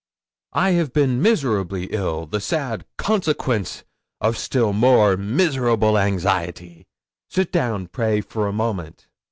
I have been miserably ill, the sad consequence of still more miserable anxiety. Sit down, pray, for a moment."